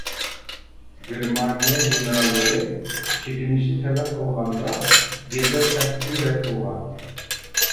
گېرمانىيە گېنېراللىرى چېكىنىشنى تەلەپ قىلغاندا گىتلېر قەتئىي رەت قىلغان.